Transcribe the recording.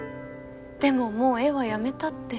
でももう絵はやめたって。